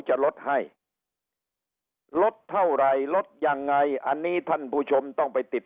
จะลดให้ลดเท่าไหร่ลดยังไงอันนี้ท่านผู้ชมต้องไปติด